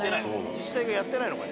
自治体がやってないのかね。